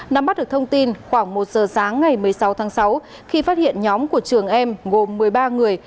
nắm bắt được thông tin khoảng một giờ sáng ngày một mươi sáu tháng sáu khi phát hiện nhóm của trường em gồm một mươi ba người